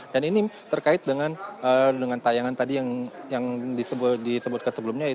ini terkait dengan tayangan tadi yang disebutkan sebelumnya